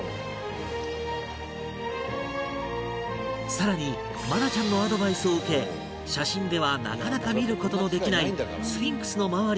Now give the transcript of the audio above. さらに愛菜ちゃんのアドバイスを受け写真ではなかなか見る事のできないスフィンクスの周り